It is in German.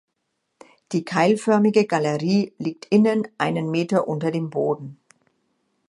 Die keilförmige Galerie liegt innen einen Meter unter dem Boden.